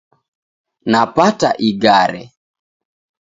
Napata ighare